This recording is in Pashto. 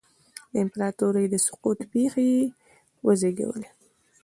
د امپراتورۍ د سقوط پېښې یې وزېږولې